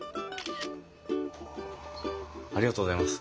ありがとうございます。